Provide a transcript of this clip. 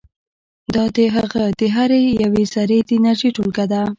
دا د هغه د هرې یوې ذرې د انرژي ټولګه ده.